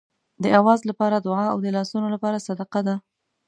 د آواز لپاره دعا او د لاسونو لپاره صدقه ده.